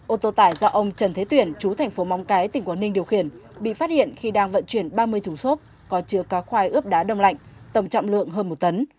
ô tô tải do ông trần thế tuyển chú thành phố móng cái tỉnh quảng ninh điều khiển bị phát hiện khi đang vận chuyển ba mươi thùng xốp có chứa cá khoai ướp đá đông lạnh tổng trọng lượng hơn một tấn